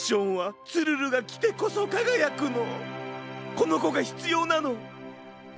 このこがひつようなの。